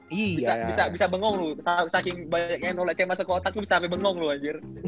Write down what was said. bisa bengong lu saking banyak yang noletnya masuk ke otak lu bisa sampe bengong lu anjir